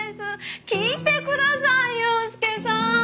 聞いてください悠介さん！